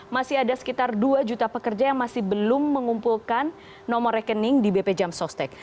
masih ada sekitar dua juta pekerja yang masih belum mengumpulkan nomor rekening di bp jam sostek